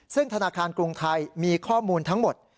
ซึ่งธนาคารกรุงไทยมีข้อมูลทั้งหมด